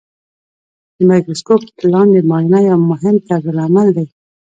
د مایکروسکوپ لاندې معاینه یو مهم طرزالعمل دی.